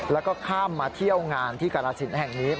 แล้วก็ข้ามมาเที่ยวงานที่กรสินแห่งนี้